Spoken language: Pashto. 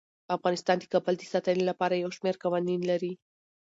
افغانستان د کابل د ساتنې لپاره یو شمیر قوانین لري.